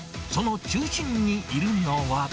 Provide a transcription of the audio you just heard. その中心にいるのは。